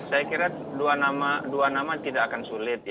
saya kira dua nama tidak akan sulit